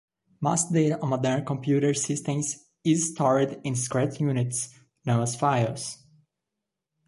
Most data on modern computer systems is stored in discrete units, known as files.